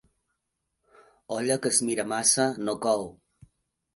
Olla que es mira massa no cou.